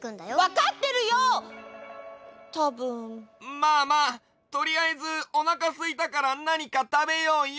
まあまあとりあえずおなかすいたからなにかたべようよ。